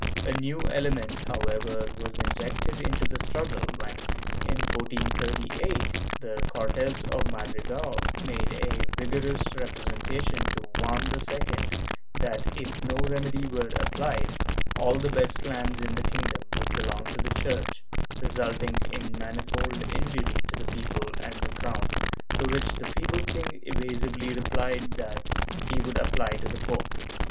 A new ele ment, however, was injected into the struggle when, in 1438, the Cortes of Madrigal made a vigorous representation to Juan II that, if no remedy were applied, all the best lands in the kingdom would belong to the Church, resulting in manifold injury to the people and the crown, to which the feeble king evasively replied that he would apply to the pope.